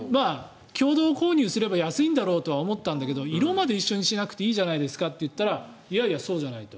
共同購入すれば安いんだろうと思ったんだけど色まで同じにしなくていいじゃないかって言ったらいやいや、そうじゃないと。